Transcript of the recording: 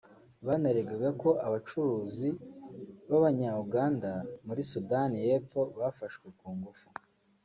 Banaregaga ko Abacuruzi b’Abanya Uganda muri Sudani y’Epfo bafashwe ku ngufu